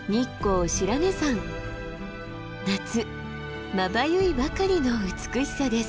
夏まばゆいばかりの美しさです。